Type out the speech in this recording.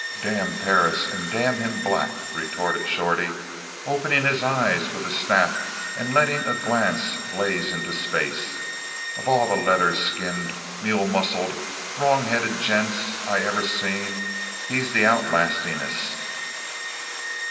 "Damn Perris and damn him black," retorted Shorty, opening his eyes with a snap and letting a glance blaze into space. "Of all the leather skinned, mule muscled, wrong headed gents I ever seen he's the outlastingest."